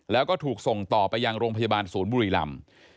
แล้วก็ถูกส่งต่อไปยังโรงพยาบาลศูนย์บุรีลำ